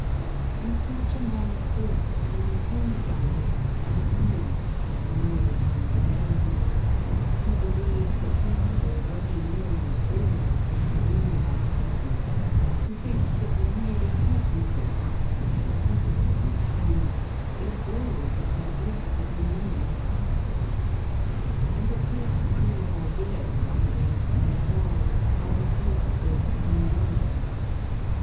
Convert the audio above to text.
And such a man as this comes home some day and finds the narrow minded gardener, who believes that he already knows all that can be known about gardening, who thinks that the merely technical part, which he perfectly understands, is all that there is to be known and practised, and that his crude ideas about arrangement of flowers are as good as those of any one else.